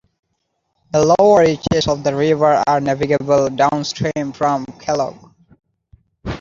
The lower reaches of the river are navigable downstream from Kellog.